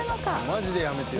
マジでやめて。